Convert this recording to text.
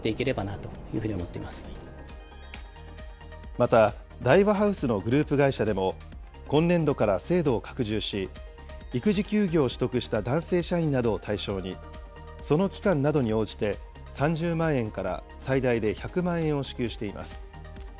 また、大和ハウスのグループ会社でも、今年度から制度を拡充し、育児休業を取得した男性社員などを対象に、その期間などに応じて、３０万円から最大で１００万円を支給しています。